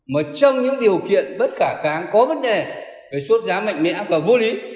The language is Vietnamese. mà trong những điều kiện bất khả cán có vấn đề về xuất giá mạnh mẽ và vô lý